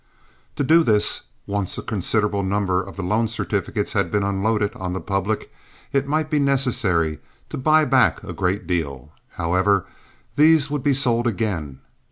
To do this, once a considerable number of the loan certificates had been unloaded on the public, it might be necessary to buy back a great deal. However, these would be sold again.